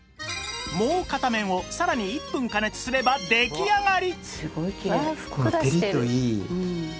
もう片面をさらに１分加熱すれば出来上がり！